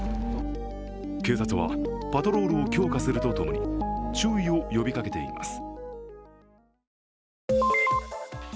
警察はパトロールを強化するとともに、注意を呼びかけています。